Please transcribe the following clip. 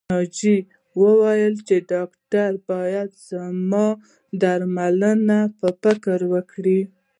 ناجيې وويل چې ډاکټر بايد زموږ د درملنې فکر وکړي